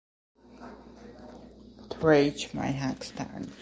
The retractable tricycle landing gear is designed for high energy absorption qualities.